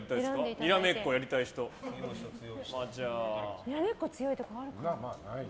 にらめっこ強いとかある？